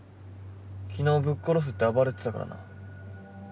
昨日ぶっ殺すって暴れてたからな。